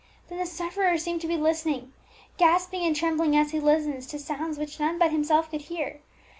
Then the sufferer seemed to be listening, gasping and trembling as he listened, to sounds which none but himself could hear.